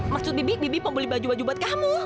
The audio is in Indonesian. maksud bibit bibi mau beli baju baju buat kamu